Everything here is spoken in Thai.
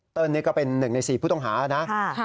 เติ้ลเนี่ยก็เป็นหนึ่งในสี่ผู้ต้องหานะ